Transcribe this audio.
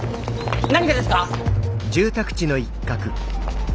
何がですか？